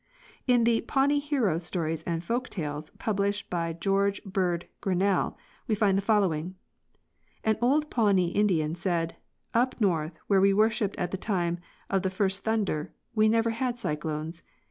In the " Pawnee Hero Stories and Folk tales," published by George Bird Grinnell, we find the following: An old Pawnee Indian said: '' Up north, where we worshipped at the time of the first thunder, we never had cyclones.